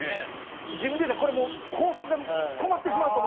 自分で言うたら、これも、放送が止まってしまうと思ったんで。